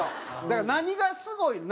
だから何がすごいの？